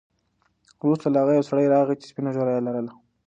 وروسته له هغه یو سړی راغی چې سپینه ږیره یې لرله.